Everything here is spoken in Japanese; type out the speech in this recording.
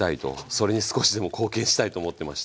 それに少しでも貢献したいと思ってまして。